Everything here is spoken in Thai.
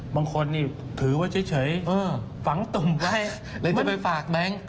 บางคนนี่ถือไว้เฉยฝังตุ่มไว้เพื่อไปฝากแบงค์